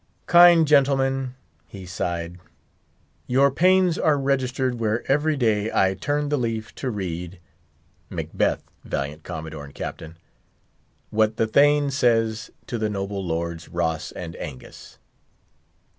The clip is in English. "'Kind gentlemen,'" he sighed, "'your pains are registered where every day I turn the leaf to read,'—Macbeth, valiant Commodore and Captain!—what the Thane says to the noble lords, Ross and Angus."